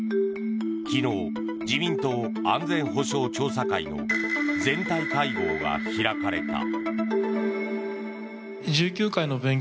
昨日、自民党安全保障調査会の全体会合が開かれた。